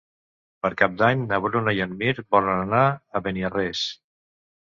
Per Cap d'Any na Bruna i en Mirt volen anar a Beniarrés.